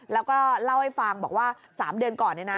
แล้วก็เล่าให้ฟังบอกว่า๓เดือนก่อนเนี่ยนะ